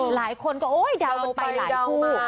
หลายคนก็ดาวนไปหลายคู่